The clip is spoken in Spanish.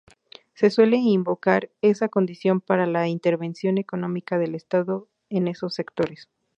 Se suele invocar esa condición para la intervención económica del estado en esos sectores.